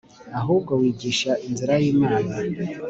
ahubwo wigisha inzira y Imana